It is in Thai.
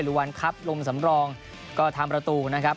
วันครับลงสำรองก็ทำประตูนะครับ